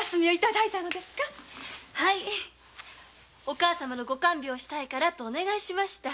お母様の御看病をしたいからとお願いしました。